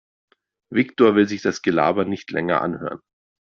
Viktor will sich das Gelaber nicht länger anhören.